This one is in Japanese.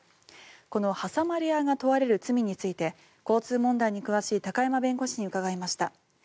この挟まれ屋が問われる罪について交通問題に詳しい高山弁護士に伺いました。